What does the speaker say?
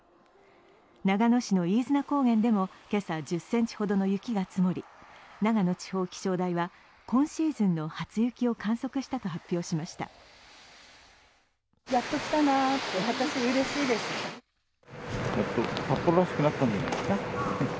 長野市の飯綱高原でも今朝、１０ｃｍほどの雪が積もり、長野地方気象台は今シーズンの初雪を観測したと発表しました。